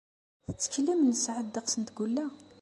Tetteklem nesɛa ddeqs n tgella?